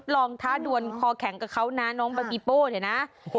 ลองท้าดวนคอแข็งกับเขาน้องปีโป้เนี่ยนะ